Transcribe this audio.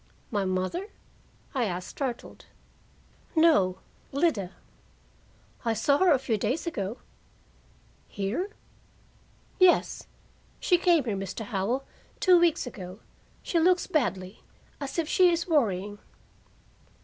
"My mother?" I asked, startled. "No, Lida." "I saw her a few days ago." "Here?" "Yes. She came here, Mr. Howell, two weeks ago. She looks badly as if she is worrying."